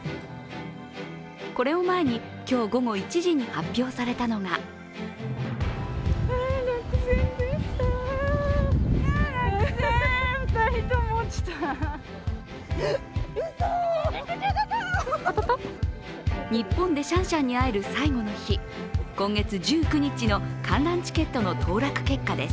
これを前に今日午後１時に発表されたのが日本でシャンシャンに会える最後の日、今月１９日の観覧チケットの当落結果です。